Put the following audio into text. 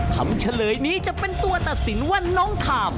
เฉลยนี้จะเป็นตัวตัดสินว่าน้องทาม